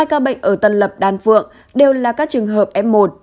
hai ca bệnh ở tân lập đan phượng đều là các trường hợp f một